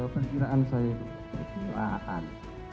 perkiraan saya kegilaan